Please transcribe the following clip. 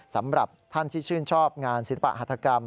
สำหรับท่านที่ชื่นชอบงานศิลปะหัฐกรรม